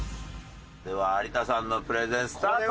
では有田さんのプレゼンスタート！